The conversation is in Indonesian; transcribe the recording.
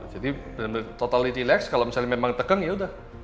jadi bener bener total relax kalau misalnya memang tegang ya udah